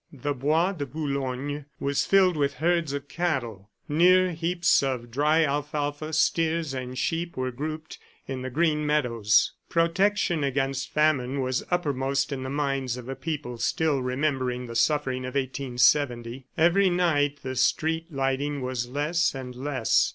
The Bois de Boulogne was filled with herds of cattle. Near heaps of dry alfalfa steers and sheep were grouped in the green meadows. Protection against famine was uppermost in the minds of a people still remembering the suffering of 1870. Every night, the street lighting was less and less.